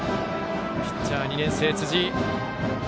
ピッチャーは２年生、辻井。